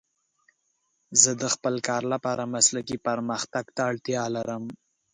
زه د خپل کار لپاره مسلکي پرمختګ ته اړتیا لرم.